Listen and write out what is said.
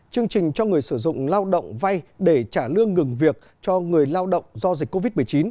chương trình cho người sử dụng lao động vay để trả lương ngừng việc cho người lao động do dịch covid một mươi chín